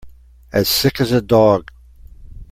As sick as a dog.